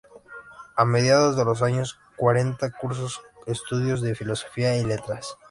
A mediados de los años cuarenta cursó estudios de Filosofía y Letras.